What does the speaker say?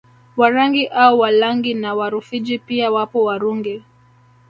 Warangi au Walangi na Warufiji pia wapo Warungi